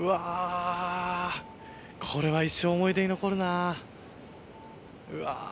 これは一生思い出に残るな。